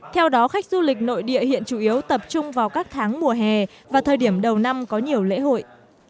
theo đó khách du lịch nội địa hiện chủ yếu tập trung vào các tháng mùa hè và thời điểm đầu năm có nhiều lễ hội